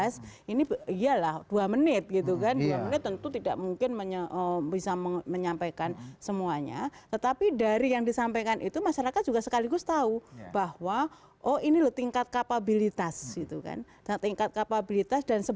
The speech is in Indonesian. selanjutnya itu salah satu